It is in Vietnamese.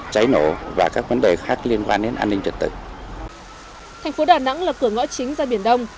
thành phố đà nẵng là cửa ngõ chính ra biển đông